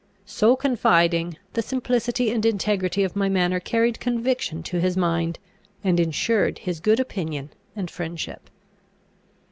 So confiding, the simplicity and integrity of my manner carried conviction to his mind, and insured his good opinion and friendship.